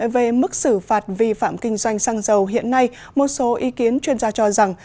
về mức xử phạt vi phạm kinh doanh xăng dầu hiện nay một số ý kiến chuyên gia cho rằng